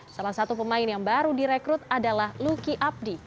salah satu pemain yang baru direkrut adalah luki abdi